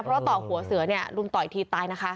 เพราะต่อหัวเสือรุนต่อยทีตายนะคะ